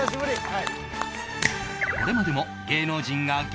はい。